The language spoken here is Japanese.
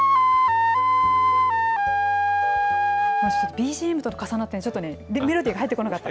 ＢＧＭと重なって、ちょっとメロディーが入ってこなかった。